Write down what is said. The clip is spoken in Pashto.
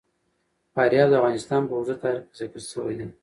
فاریاب د افغانستان په اوږده تاریخ کې ذکر شوی دی.